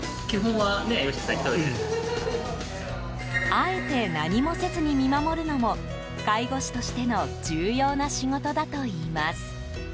あえて何もせずに見守るのも介護士としての重要な仕事だといいます。